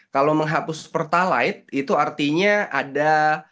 kalau menghapus pertalite itu artinya ada